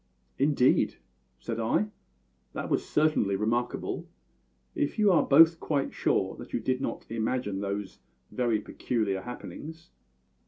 "Indeed!" said I. "That was certainly remarkable if you are both quite sure you did not imagine those very peculiar happenings."